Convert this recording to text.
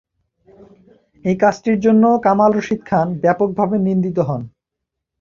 এই কাজটির জন্য কামাল রশিদ খান ব্যাপকভাবে নিন্দিত হন।